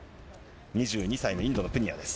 ２２歳のインドのプニアです。